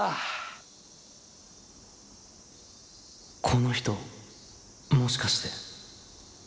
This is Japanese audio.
この人もしかして。